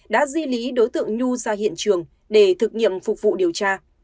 đã di lý đối tượng nhu ra hiện trường để thực nghiệm phục vụ điều tra